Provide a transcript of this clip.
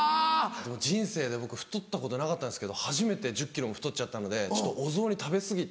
人生で僕太ったことなかったんですけど初めて１０ｋｇも太っちゃったのでちょっとお雑煮食べ過ぎて。